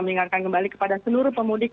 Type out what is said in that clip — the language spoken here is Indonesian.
mengingatkan kembali kepada seluruh pemudik